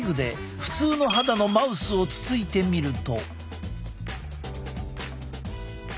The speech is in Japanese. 一方乾燥肌のマウスをつついてみると。